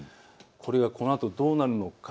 このあとどうなるのか。